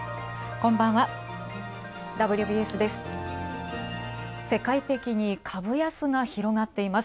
こんばんは、「ＷＢＳ」です。